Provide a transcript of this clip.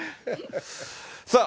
さあ、